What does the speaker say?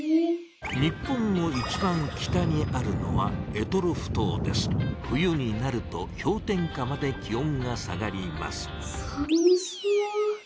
日本の一番北にあるのは冬になるとひょう点下まで気おんが下がりますさむそう。